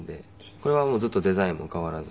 これはずっとデザインも変わらずに。